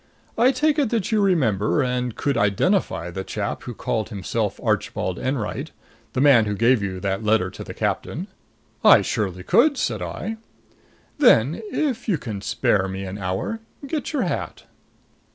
I take it that you remember and could identify the chap who called himself Archibald Enwright the man who gave you that letter to the captain?" "I surely could," said I. "Then, if you can spare me an hour, get your hat."